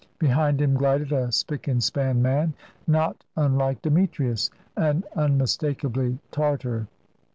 Behind him glided a spick and span man, not unlike Demetrius, and unmistakably Tartar.